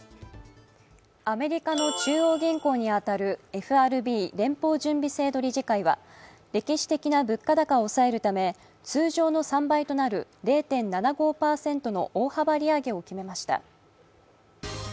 アメリカの中央銀行に当たるＦＲＢ＝連邦準備制度理事会は歴史的な物価高を抑えるため通常の３倍となる０．７５％の大幅利上げを決めました。